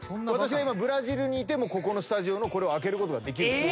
私が今ブラジルにいてもここのスタジオのこれを開けることができる。